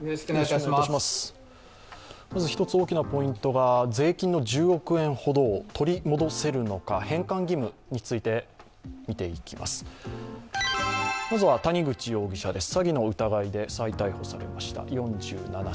一つ、大きなポイントが税金の１０億円ほどを取り戻せるのか、返還義務について見ていきます。